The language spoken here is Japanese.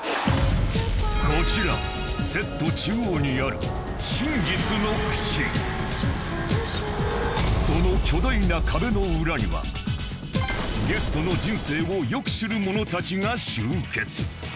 こちらセット中央にあるその巨大な壁の裏にはゲストの人生をよく知る者たちが集結